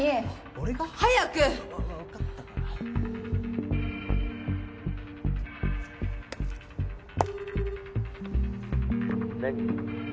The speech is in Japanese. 俺が？早く！わ分かったから何？